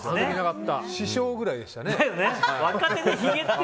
師匠ぐらいでしたね。